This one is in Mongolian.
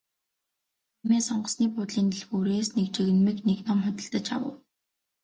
Тиймээс онгоцны буудлын дэлгүүрээс нэг жигнэмэг нэг ном худалдаж авав.